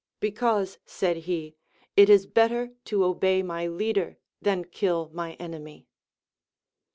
Because, said he, it is better to obey my leader than kill my enemy.